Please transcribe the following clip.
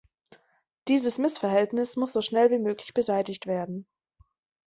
Dieses Missverhältnis muss so schnell wie möglich beseitigt werden.